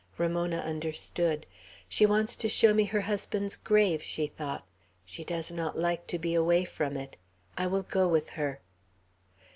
Ramona understood. "She wants to show me her husband's grave," she thought. "She does not like to be away from it. I will go with her."